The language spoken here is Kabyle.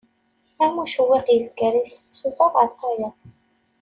Am ucewwiq yezgaray seg tsuta ɣer tayeḍ.